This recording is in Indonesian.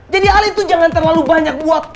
jadi ala itu jangan terlalu banyak buat